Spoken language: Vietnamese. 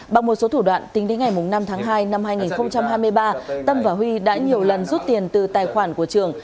bằng một số thủ đoạn tính đến ngày năm tháng hai năm hai nghìn hai mươi ba tâm và huy đã nhiều lần rút tiền từ tài khoản của trường